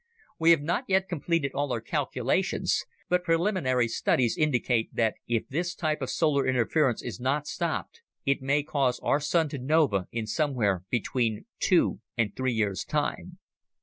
We have not yet completed all our calculations, but preliminary studies indicate that if this type of solar interference is not stopped, it may cause our Sun to nova in somewhere between two and three years time."